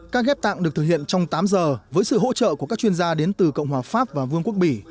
ca ghép tạng được thực hiện trong tám giờ với sự hỗ trợ của các chuyên gia đến từ cộng hòa pháp và vương quốc bỉ